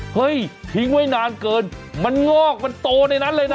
เฮ้ยทิ้งไว้นานเกินมันงอกมันโตในนั้นเลยนะ